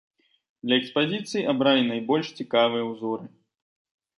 Для экспазіцыі абралі найбольш цікавыя ўзоры.